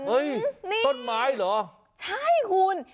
ต้นไม้เหรอนี่ใช่คุณ